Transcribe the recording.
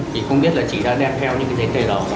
thì không biết là chị đã đem theo những cái tầy đó